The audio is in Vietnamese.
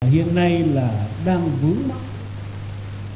hiện nay là đang vướng mắc